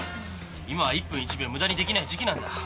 今は１分１秒無駄にできない時期なんだ。